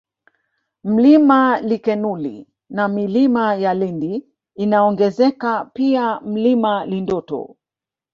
Mlima Likenuli na Milima ya Lindi unaongezeka pia Mlima Lindoto